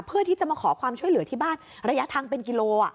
เพื่อที่จะมาขอความช่วยเหลือที่บ้านระยะทางเป็นกิโล